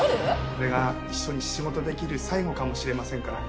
これが一緒に仕事できる最後かもしれませんから。